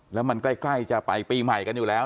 แล้วมันใกล้กล้่ายจะไปปีกันอยู่แล้ว